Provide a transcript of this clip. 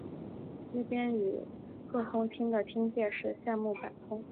西边与若松町的町界是夏目坂通。